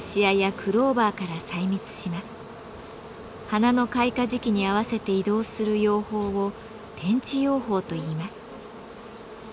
花の開花時期に合わせて移動する養蜂を「転地養蜂」といいます。